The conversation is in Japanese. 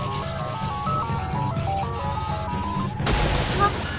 あっ！